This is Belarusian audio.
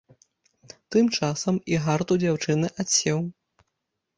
Тым часам і гарт у дзяўчыны адсеў.